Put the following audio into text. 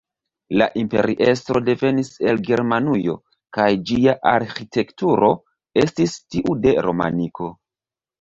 La imperiestro devenis el Germanujo, kaj ĝia arĥitekturo estis tiu de romaniko.